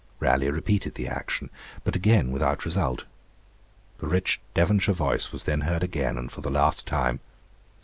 Raleigh repeated the action, but again without result. The rich Devonshire voice was then heard again, and for the last time.